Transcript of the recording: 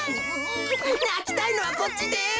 うなきたいのはこっちです。